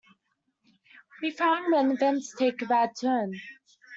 We frown when events take a bad turn.